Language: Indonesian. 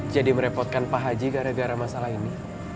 jadi merepotkan pak haji gara gara masalah ini